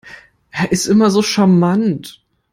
Er ist immer so charmant.